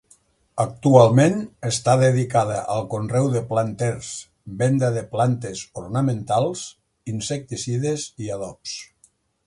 Actualment està dedicada al conreu de planters, venda de plantes ornamentals, insecticides i adobs.